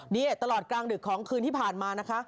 นี่ตลอดกลางดึกของคืนที่ผ่านมานะคะ